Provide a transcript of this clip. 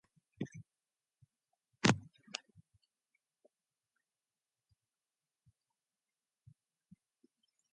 Being a Urologist by Profession, he developed the Winter Shunting to treat Priapism.